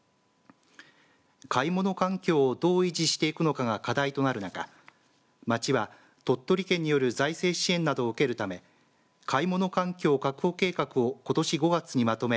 買い物環境をどう維持していくのかが課題となる中町は鳥取県による財政支援などを受けるため買物環境確保計画をことし５月にまとめ